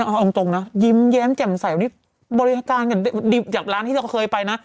เอาตรงนะยิ้มแย้มแจ่มใสวันนี้บริการกันดีจากร้านที่เราเคยไปนะ